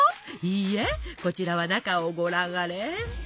いいえこちらは中をご覧あれ！